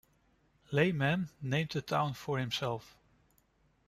Lyman, named the town for himself.